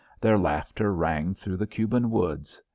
Their laughter rang through the Cuban woods.